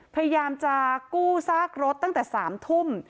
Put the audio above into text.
พยายามจะกู้ซากรถตั้งแต่๓ทุ่ม